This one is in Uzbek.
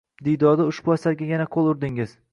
Diydorda ushbu asarga yana qo‘l urdingiz.